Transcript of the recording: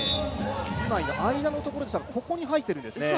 今、間のところですがここに入っているんですね。